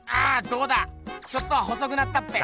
どうだちょっとは細くなったっぺ？